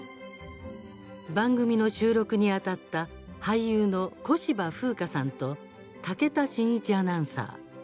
番組の収録にあたった俳優の小芝風花さんと武田真一アナウンサー。